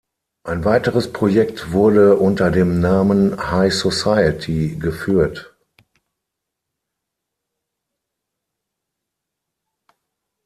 Ein weiteres Projekt wurde unter dem Namen "High Society" geführt.